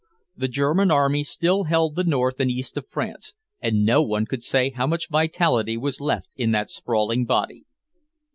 The German army still held the north and east of France, and no one could say how much vitality was left in that sprawling body.